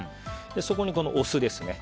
そこにお酢ですね。